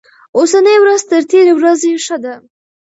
اوسنۍ ورځ تر تېرې ورځې ښه ده.